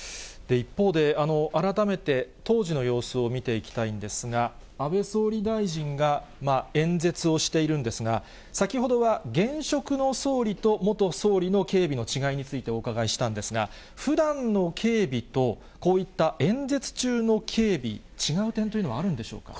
一方で、改めて、当時の様子を見ていきたいんですが、安倍総理大臣が演説をしているんですが、先ほどは、現職の総理と元総理の警備の違いについてお伺いしたんですが、ふだんの警備と、こういった演説中の警備、違う点というのはあるんでしょうか。